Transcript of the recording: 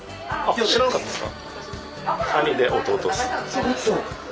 知らなかったですか？